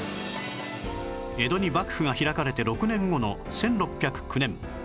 江戸に幕府が開かれて６年後の１６０９年